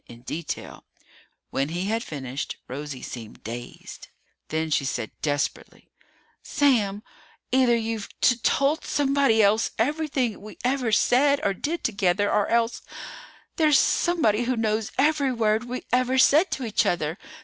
In detail. When he had finished, Rosie seemed dazed. Then she said desperately, "Sam! Either you've t told somebody else everything we ever said or did together, or else there's somebody who knows every word we ever said to each other!